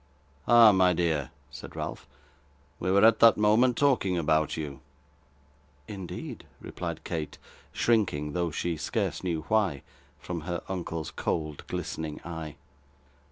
'Ah! my dear!' said Ralph; 'we were at that moment talking about you.' 'Indeed!' replied Kate, shrinking, though she scarce knew why, from her uncle's cold glistening eye.